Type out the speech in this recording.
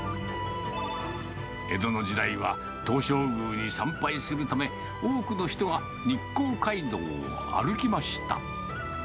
江戸の時代は東照宮に参拝するため、多くの人が日光街道を歩きました。